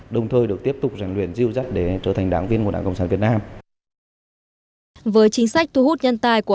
đồng thời được tiếp tục rành luyện dưu dắt để trở thành công chức trẻ